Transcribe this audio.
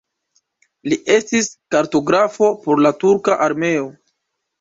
Li estis kartografo por la turka armeo.